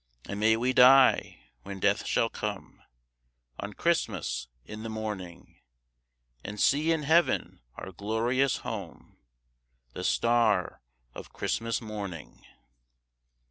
And may we die (when death shall come), On Christmas in the morning, And see in heav'n, our glorious home, The Star of Christmas morning.